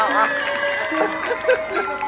มันก็หลับด้วยกันสิ